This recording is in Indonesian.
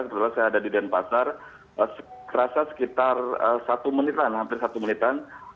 kebetulan saya ada di denpasar kerasa sekitar satu menitan hampir satu menitan